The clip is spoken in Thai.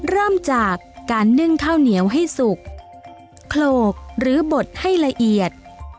เริ่มจากการนึ่งข้าวเหนียวให้สุกโขลกหรือบดให้ละเอียด